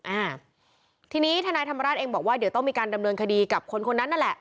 อ่าทีนี้ทนายธรรมราชเองบอกว่าเดี๋ยวต้องมีการดำเนินคดีกับคนคนนั้นนั่นแหละ